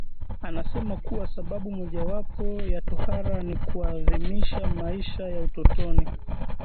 anasema kuwa sababu mojawapo ya tohara ni kuadhimisha maisha ya utotoni